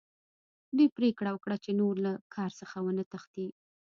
دوی پریکړه وکړه چې نور له کار څخه ونه تښتي